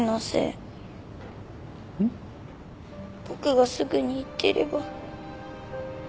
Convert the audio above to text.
僕がすぐに行ってれば。